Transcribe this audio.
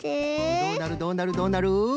どうなるどうなるどうなる？